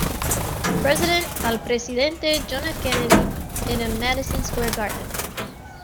President"" al presidente John F. Kennedy en el Madison Square Garden.